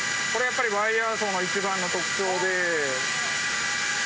これやっぱりワイヤーソーの一番の特徴で。